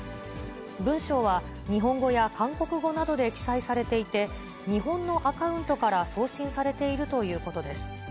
文章は日本語や韓国語などで記載されていて、日本のアカウントから送信されているということです。